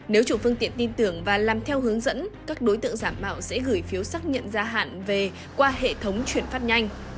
nếu chủ phương tiện tin tưởng và làm theo hướng dẫn các đối tượng giả mạo sẽ gửi phiếu xác nhận gia hạn về qua hệ thống chuyển phát nhanh